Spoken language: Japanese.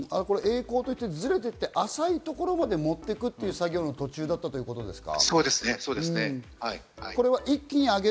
えい航で連れて行って、浅いところまで持っていくという作業の途中だったということですか？